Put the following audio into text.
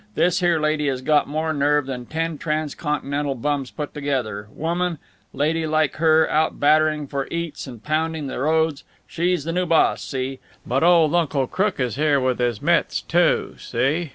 This here lady has got more nerve than ten transcontinental bums put together woman, lady like her, out battering for eats and pounding the roads! She's the new boss, see? But old Uncle Crook is here with his mits, too, see?"